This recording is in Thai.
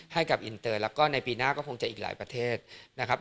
ให้กับอินเตอร์แล้วก็ในปีหน้าก็คงจะอีกหลายประเทศนะครับ